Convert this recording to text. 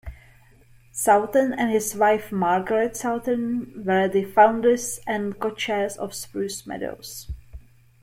Southern and his wife Margaret Southern were the founders and co-chairs of Spruce Meadows.